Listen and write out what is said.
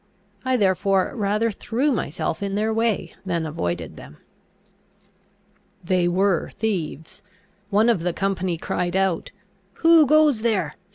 I therefore rather threw myself in their way than avoided them. They were thieves. One of the company cried out, "Who goes there?